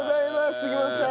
杉本さん。